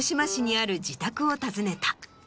ある自宅を訪ねた。